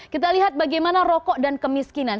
kita lihat bagaimana rokok dan kemiskinan